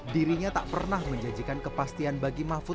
dirinya tak pernah menjanjikan kepastian bagi mahfud